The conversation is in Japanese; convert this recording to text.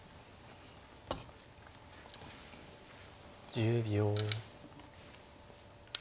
１０秒。